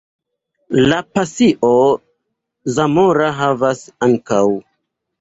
La Pasio zamora havas, ankaŭ.